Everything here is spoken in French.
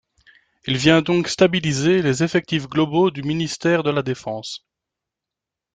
Il vient donc stabiliser les effectifs globaux du ministère de la défense.